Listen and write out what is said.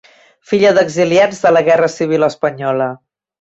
Filla d'exiliats de la guerra civil espanyola.